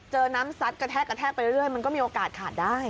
เจอน้ำซัดกระแทกกระแทกไปเรื่อยมันก็มีโอกาสขาดได้